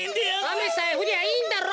あめさえふりゃいいんだろ。